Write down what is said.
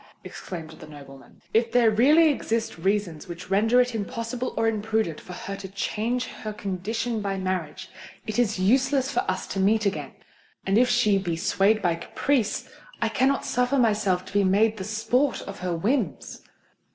exclaimed the nobleman. "If there really exist reasons which render it impossible or imprudent for her to change her condition by marriage, it is useless for us to meet again:—and if she be swayed by caprice, I cannot suffer myself to be made the sport of her whims."